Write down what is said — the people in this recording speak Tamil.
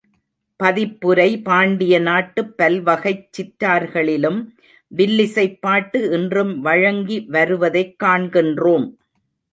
பதிப்புரை பாண்டியநாட்டுப் பல்வகைச் சிற்றார்களிலும் வில்லிசைப் பாட்டு இன்றும் வழங்கி வருவதைக் காண்கின்றோம்.